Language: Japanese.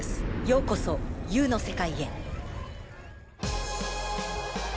「ようこそＵの世界へ」。